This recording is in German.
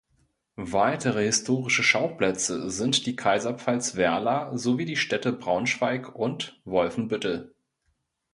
Weitere historische Schauplätze sind die Kaiserpfalz Werla sowie die Städte Braunschweig und Wolfenbüttel.